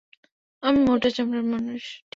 আমি মোটা চামড়ার মানুষ।